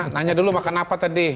nanya dulu makan apa tadi